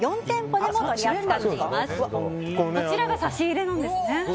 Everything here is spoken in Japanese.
こちらが差し入れなんですね。